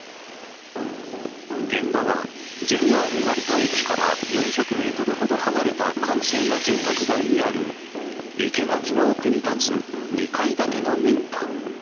現場は、ＪＲ成田駅から４００メートルほど離れた閑静な住宅街にある、生け垣の奥に建つ２階建ての民家。